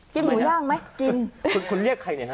กินคุณคุณเรียกค่ะ